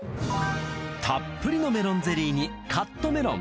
たっぷりのメロンゼリーにカットメロン